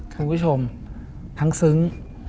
คุณผู้ชมทั้งซึ้ง